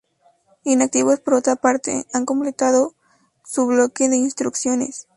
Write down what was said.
Inactivos por otra parte, han completado su bloque de instrucciones.